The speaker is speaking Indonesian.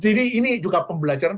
jadi ini juga pembelajaran